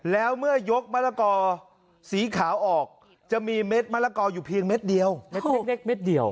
แล้วเมื่อยกมะละกอสีขาวออกจะมีเม็ดมะละกออยู่เพียงเม็ดเดียวเม็ดเล็กเม็ดเดียว